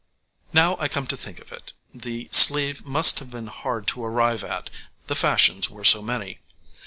}] Now I come to think of it, the sleeve must have been hard to arrive at, the fashions were so many.